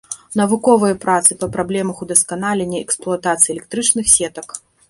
Навуковыя працы па праблемах удасканалення эксплуатацыі электрычных сетак.